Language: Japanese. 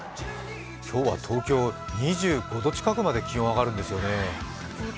今日は東京、２５度近くまで気温上がるんですね。